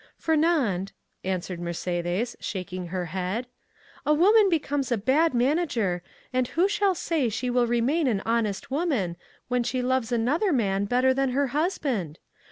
"Fernand," answered Mercédès, shaking her head, "a woman becomes a bad manager, and who shall say she will remain an honest woman, when she loves another man better than her husband?